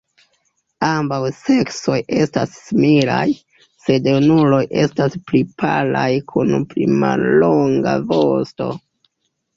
Ambaŭ seksoj estas similaj, sed junuloj estas pli palaj kun pli mallonga vosto.